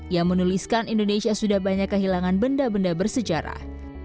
yang menuliskan indonesia sudah banyak kehilangan benda benda bersejarah